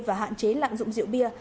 và hạn chế lạng dụng rượu bia